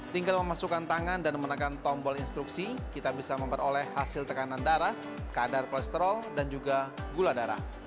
tinggal memasukkan tangan dan menekan tombol instruksi kita bisa memperoleh hasil tekanan darah kadar kolesterol dan juga gula darah